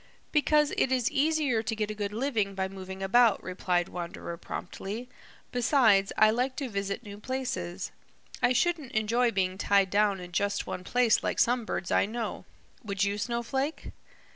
"Because it is easier to get a good living by moving about," replied Wanderer promptly. "Besides, I like to visit new places. I shouldn't enjoy being tied down in just one place like some birds I know. Would you, Snowflake?"